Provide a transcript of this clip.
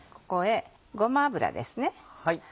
ここへごま油です。